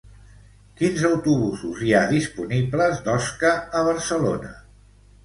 Quins autobusos hi ha disponibles d'Osca a Barcelona?